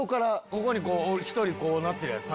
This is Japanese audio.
ここに１人こうなってるヤツ